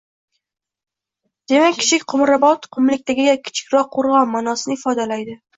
Demak, Kichik Qumrabot – «qumlikdagi kichikroq qo‘rg‘on» ma’nosini ifodalaydi.